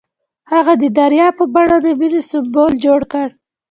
هغه د دریا په بڼه د مینې سمبول جوړ کړ.